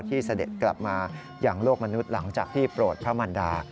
เสด็จกลับมาอย่างโลกมนุษย์หลังจากที่โปรดพระมันดา